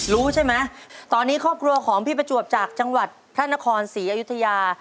รู้ใช่ไหมตอนนี้ครอบครัวของพี่ประจวบจากจังหวัดพระนครศรีอยุธยา